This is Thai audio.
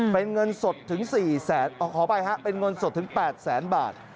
เป็นเงินสดถึง๔แสนขออภัยฮะเป็นเงินสดถึง๘แสนบาท